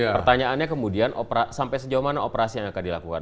pertanyaannya kemudian sampai sejauh mana operasi yang akan dilakukan